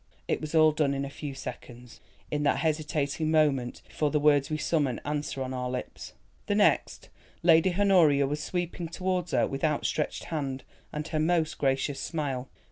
It was all done in a few seconds—in that hesitating moment before the words we summon answer on our lips. The next, Lady Honoria was sweeping towards her with outstretched hand, and her most gracious smile.